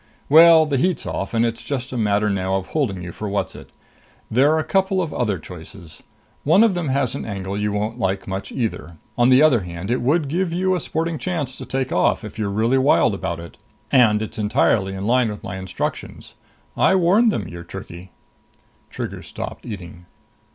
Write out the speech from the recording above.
Well, the heat's off, and it's just a matter now of holding you for Whatzzit. There're a couple of other choices. One of them has an angle you won't like much either. On the other hand, it would give you a sporting chance to take off if you're really wild about it. And it's entirely in line with my instructions. I warned them you're tricky." Trigger stopped eating.